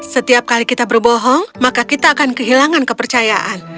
setiap kali kita berbohong maka kita akan kehilangan kepercayaan